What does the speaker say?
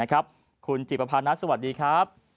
คุณจิปภานัทสวัสดีครับ